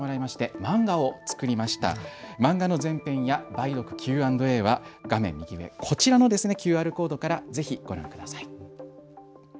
漫画の全編や梅毒Ｑ＆Ａは画面のＱＲコードからぜひご覧ください。